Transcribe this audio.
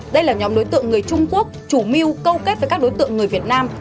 đây là nhóm đối tượng người trung quốc chủ mưu câu kết với các đối tượng người việt nam